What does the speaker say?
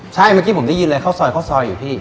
ใช่เมื่อกี้ผมได้ยินเลยข้าวซอยข้าวซอยอยู่พี่